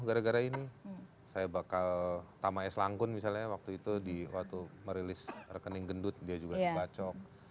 gara gara ini saya bakal tamai selangkun misalnya waktu itu di waktu merilis rekening gendut biaya juga dibacok